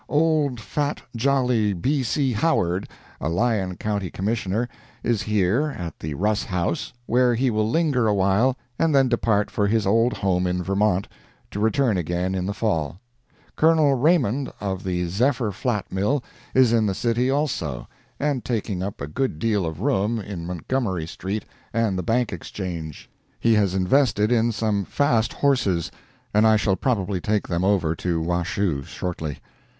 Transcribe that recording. Old fat, jolly B. C. Howard, a Lyon county Commissioner, is here, at the Russ House, where he will linger a while and then depart for his old home in Vermont, to return again in the Fall. Col. Raymond, of the Zephyr Flat mill, is in the city, also, and taking up a good deal of room in Montgomery street and the Bank Exchange; he has invested in some fast horses, and I shall probably take them over to Washoe shortly.